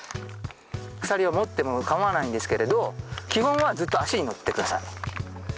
鎖を持っても構わないんですけれど基本はずっと足に乗って下さい。